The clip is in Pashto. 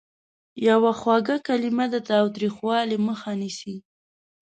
یوه خوږه کلمه د تاوتریخوالي مخه نیسي.